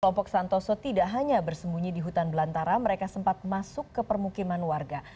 kelompok santoso tidak hanya bersembunyi di hutan belantara mereka sempat masuk ke permukiman warga